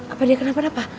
apa dia kenapa napa